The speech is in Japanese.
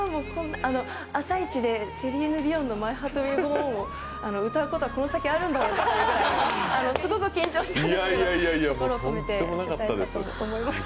朝イチでセリーヌ・ディオンの「ＭｙＨｅａｒｔＷｉｌｌＧｏＯｎ」を歌うことがこの先あるんだろうかとすごく緊張しましたけど心を込めて歌えたと思います。